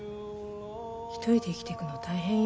１人で生きていくのは大変よ。